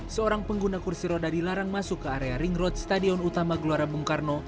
seorang pengguna kursi roda dilarang masuk ke area ring road stadion utama gelora bung karno